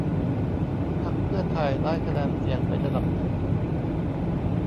พรรคเพื่อไทยได้คะแนนเสียงเป็นอันดับหนึ่ง